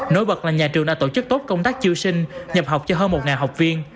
nối bật là nhà trường đã tổ chức tốt công tác triêu sinh nhập học cho hơn một học viên